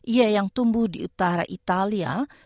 ia yang tumbuh di utara italia